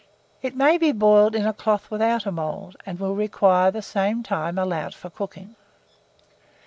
It may be boiled in a cloth without a mould, and will require the same time allowed for cooking.